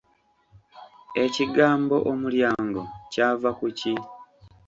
Ekigambo Omulyango kyava ku ki?